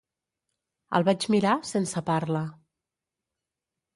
El vaig mirar, sense parla.